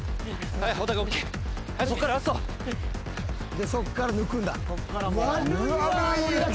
でそっから抜くんだ。